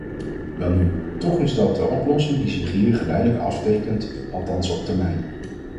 Welnu, toch is dat de oplossing die zich hier geleidelijk aftekent, althans op termijn.